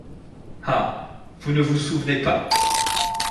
Ah ! vous ne vous souvenez pas ?